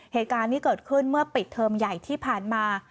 เหตุการณ์ที่เกิดขึ้นเมื่อปิดเทอมใหญ่ที่ผ่านมา